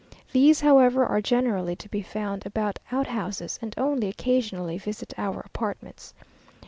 These, however, are generally to be found about outhouses, and only occasionally visit your apartments.